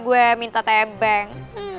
gue minta tebeng